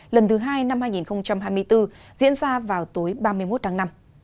lần thứ hai năm hai nghìn hai mươi bốn diễn ra vào tối ba mươi một tháng năm